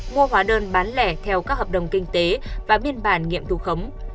mua hóa đơn bán lẻ theo các hợp đồng kinh tế và biên bản nghiệm thu khống